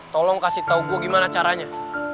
tolong kasih tahu gue gimana caranya